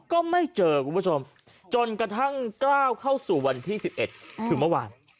ก็ไม่เจอคุณผู้ชมจนกระทั่งก้าวเข้าสู่วันที่๑๑คือเมื่อวาน